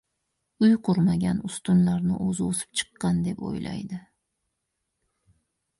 • Uy qurmagan ustunlarni o‘zi o‘sib chiqqan deb o‘ylaydi.